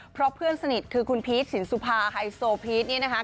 เพราะเพื่อนสนิทคือคุณพีชสินสุภาไฮโซพีชนี่นะคะ